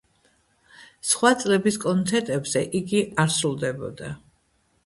სხვა წლების კონცერტებზე იგი არ სრულდებოდა.